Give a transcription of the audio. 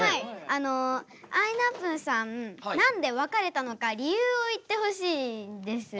あのあいなぷぅさん何で別れたのか理由を言ってほしいです。